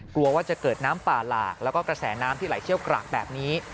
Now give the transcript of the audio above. กลัวว่าจะเกิดน้ำป่าหลากแล้วก็กระแสน้ำที่ไหลเชี่ยวกรากแบบนี้